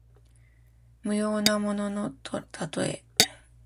無用なもののたとえ。